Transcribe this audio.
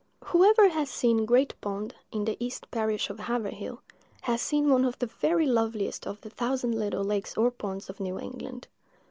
"Whoever has seen Great pond, in the east parish of Haverhill, has seen one of the very loveliest of the thousand little lakes or ponds of New England.